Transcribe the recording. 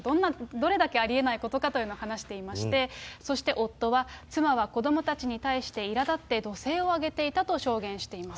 どんなありえないことかというのを話していまして、そして夫は、妻は子どもたちに対して、いらだって怒声を上げていたと証言しています。